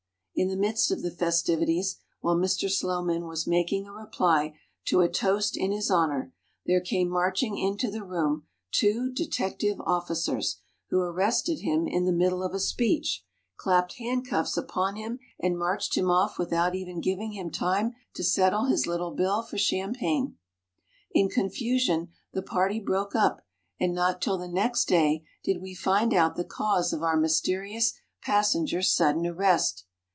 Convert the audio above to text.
In the midst of the festivities, while Mr. Slowman was making a reply to a toast in his honor, there came marching into the room two detective officers, who arrested him in the middle of a speech, clapped handcuffs upon him and marched SKETCHES OF TRAVEL him off without even giving him time to settle his little bill for champagne. In confusion the party broke up and not till the next day did we find out the cause of our mysterious passenger's sudden arrest.